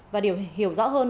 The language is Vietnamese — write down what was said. và điều hiểu rõ hơn